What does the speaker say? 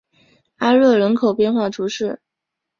阿热人口变化图示